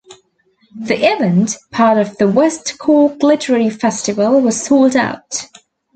The event, part of the West Cork Literary Festival, was sold out.